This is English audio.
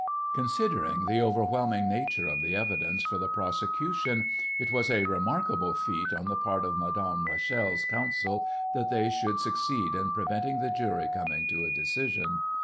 Considering the overwhelming nature of the evidence for the prosecution it was a remarkable feat on the part of Madame Rachel's counsel that they should succeed in preventing the jury coming to a decision.